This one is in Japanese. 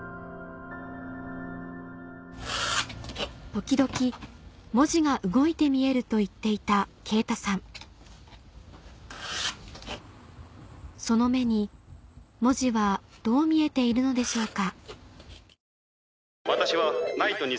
「時々文字が動いて見える」と言っていた勁太さんその目に文字はどう見えているのでしょうか？